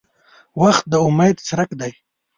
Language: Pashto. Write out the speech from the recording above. • وخت د امید څرک دی.